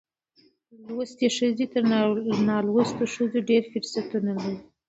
لوستې ښځې تر نالوستو ښځو ډېر فرصتونه لري.